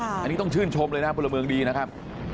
อันนี้ต้องชื่นชมเลยนะพลเมืองดีนะครับ